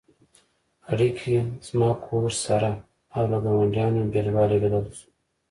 اړیکې «زما کور» سره او له ګاونډیانو بېلوالی بدل شو.